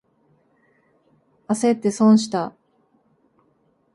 あせって損した。